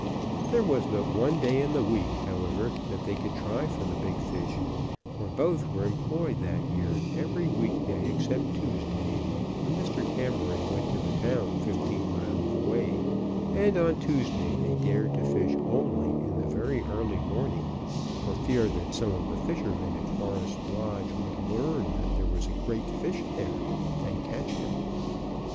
There was but one day in the week, however, that they could try for the big fish, for both were employed that year every week day except Tuesday, when Mr. Cameron went to the town fifteen miles away; and on Tuesday they dared to fish only in the very early morning, for fear that some of the fishermen at Forest Lodge would learn that there was a great fish there, and catch him.